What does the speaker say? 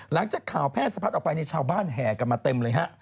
หลังจากข่าวแพร่สะพัดออกไปในชาวบ้านแห่กันมาเต็มเลยฮะ